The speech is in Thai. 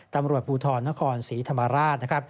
ตำรวจภูทรนครศรีธรรมราช